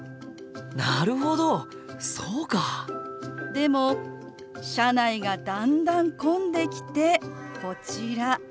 でも車内がだんだん混んできてこちら。